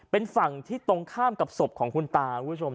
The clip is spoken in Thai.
เป็นฝั่งที่ตรงข้ามกับศพของคุณตาคุณผู้ชม